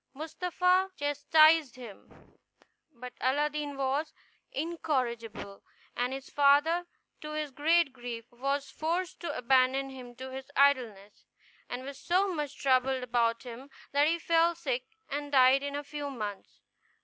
Mustapha chastised him; but Aladdin was incorrigible, and his father, to his great grief, was forced to abandon him to his idleness, and was so much troubled about him that he fell sick and died in a few months.